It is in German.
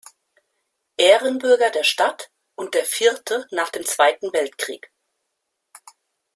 Ehrenbürger der Stadt und der vierte nach dem Zweiten Weltkrieg.